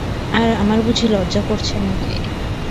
আর, আমার বুঝি লজ্জা করছে না?